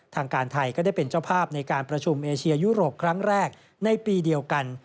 ทางการไทยก็ได้เป็นเจ้าภาพในการประชุมเอเชียยุโรปครั้งแรกในปีเดียวกัน